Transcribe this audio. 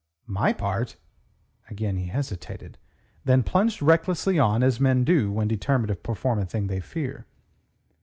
"My part?" Again he hesitated, then plunged recklessly on, as men do when determined to perform a thing they fear.